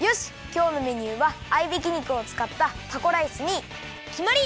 きょうのメニューは合いびき肉をつかったタコライスにきまり！